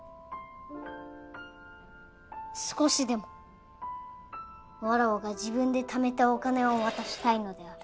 少しでもわらわが自分でためたお金を渡したいのである。